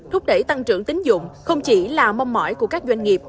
thúc đẩy tăng trưởng tính dụng không chỉ là mong mỏi của các doanh nghiệp